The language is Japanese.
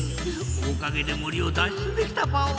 おかげで森を脱出できたパオ。